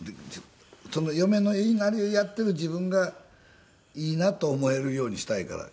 嫁の言いなりにやっている自分がいいなと思えるようにしたいから。